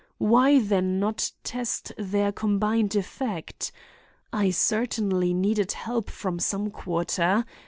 Why then not test their combined effect? I certainly needed help from some quarter.